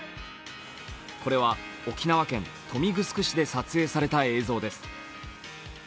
これは、沖縄県豊見城市で撮影された映像です。